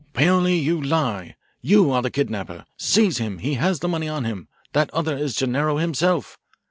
"Paoli, you lie. You are the kidnapper. Seize him he has the money on him. That other is Gennaro himself."